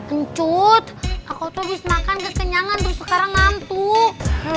encut aku tuh abis makan kekenyangan terus sekarang ngantuk